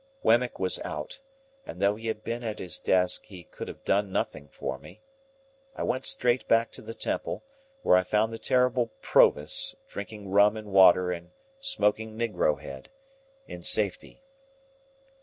Wemmick was out, and though he had been at his desk he could have done nothing for me. I went straight back to the Temple, where I found the terrible Provis drinking rum and water and smoking negro head, in safety.